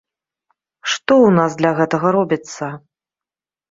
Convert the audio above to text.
Што ў нас для гэтага робіцца?